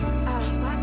terima kasih sayang